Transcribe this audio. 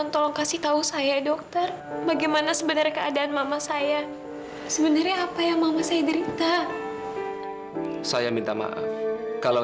tapi aku juga berharap gak akan ada apa apa sama mama kamu